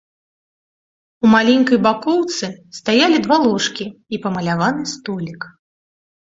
У маленькай бакоўцы стаялі два ложкі і памаляваны столік.